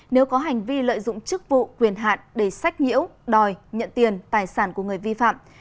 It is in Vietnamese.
nếu có hành vi lợi dụng chức vụ quyền hạn để sách nhiễu đòi nhận tiền tài sản của người vi phạm